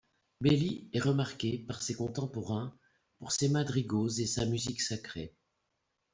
Belli est remarqué par ses contemporains pour ses madrigaux et sa musique sacrée.